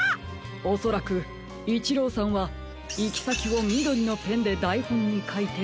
おそらくイチローさんはいきさきをみどりのペンでだいほんにかいてたちさった。